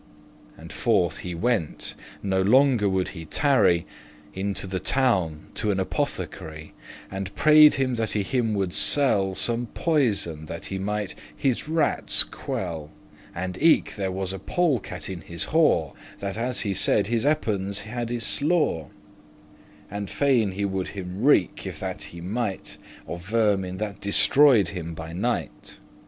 And forth he went, no longer would he tarry, Into the town to an apothecary, And prayed him that he him woulde sell Some poison, that he might *his rattes quell,* *kill his rats* And eke there was a polecat in his haw,* *farm yard, hedge <27> That, as he said, his eapons had y slaw:* *slain And fain he would him wreak,* if that he might, *revenge Of vermin that destroyed him by night.